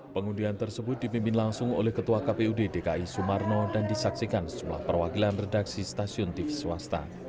pengundian tersebut dipimpin langsung oleh ketua kpud dki sumarno dan disaksikan sejumlah perwakilan redaksi stasiun tv swasta